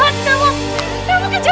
kamu kejam banget sih